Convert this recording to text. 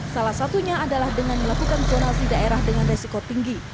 salah satunya adalah dengan melakukan zonasi daerah dengan resiko tinggi